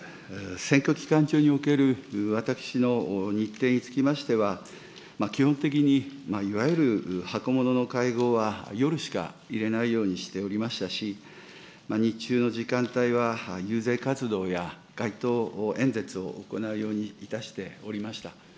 選挙期間中における私の日程につきましては、基本的にいわゆるはこものの会合は、夜しか入れないようにしておりましたし、日中の時間帯は遊説活動や街頭演説を行うようにいたしておりました。